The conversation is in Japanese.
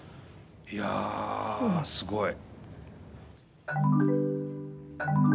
いやあ、すごい。